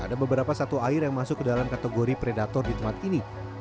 ada beberapa satu air yang masuk ke dalam kategori predator di tempat ini